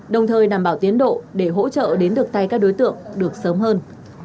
đồng thời đảm bảo tiến độ để hỗ trợ đến được tay các đối tượng được sớm hơn